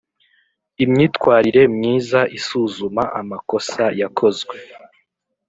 Imyitwarire myiza isuzuma amakosa yakozwe